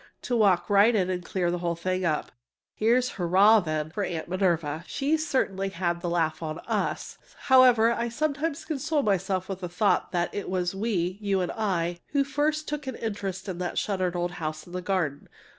to walk right in and clear the whole thing up! Here's "Hurrah!" then, for Aunt Minerva! She certainly had the laugh on us! However, I sometimes console myself with the thought that it was we (you and I) who first took an interest in that shuttered old house in the garden.